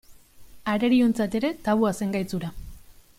Arerioentzat ere tabua zen gaitz hura.